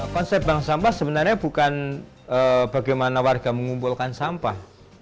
konsep bank sampah sebenarnya bukan bagaimana warga mengumpulkan sampah